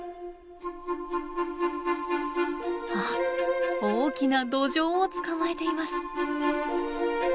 あっ大きなドジョウを捕まえています。